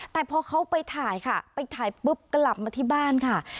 แต่พอเขาไปถ่ายค่ะไปถ่ายปุ๊บกลับมาที่บ้านค่ะ